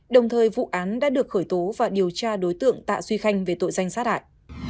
đồng thời vụ án đã được khởi tố và điều tra đối tượng tạ duy khanh về tội danh sát hại